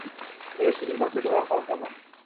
এটা শুধুমাত্র তোমার কল্পনা।